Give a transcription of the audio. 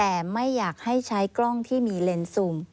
แต่ไม่อยากให้ใช้กล้องที่มีเลนส์ซูม